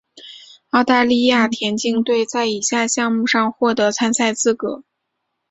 澳大利亚田径队在以下项目上获得参赛资格。